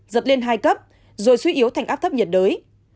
giật lên hai cấp rồi suy yếu thành áp thấp nhiệt đới